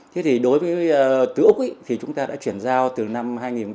thế thì đối với từ úc thì chúng ta đã chuyển giao từ năm hai nghìn một mươi